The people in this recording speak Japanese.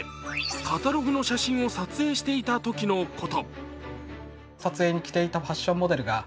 カタログの写真を撮影していたときのこと。